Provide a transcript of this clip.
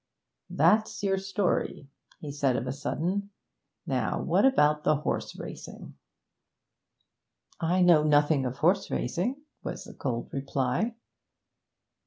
'That's your story!' he said of a sudden. 'Now, what about the horse racing?' 'I know nothing of horse racing,' was the cold reply.